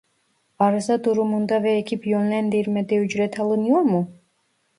Arıza durumunda ve ekip yönlendirmede ücret alınıyor mu ?